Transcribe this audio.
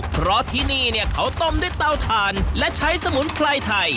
เพราะที่นี่เนี่ยเขาต้มด้วยเตาถ่านและใช้สมุนไพรไทย